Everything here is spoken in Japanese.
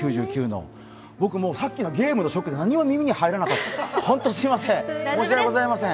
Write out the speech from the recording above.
僕さっきのゲームのショックで何も耳に入らなかった、ほんとすいません、申し訳ございません。